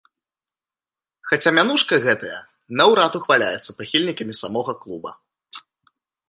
Хаця мянушка гэтая наўрад ухваляецца прыхільнікамі самога клуба.